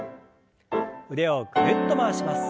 腕をぐるっと回します。